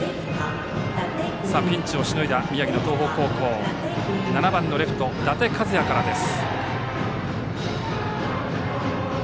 ピンチをしのいだ宮城の東北高校７番レフト、伊達一也からです。